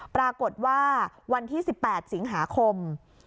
ปรากฏว่าวันที่๑๘สิงหาคม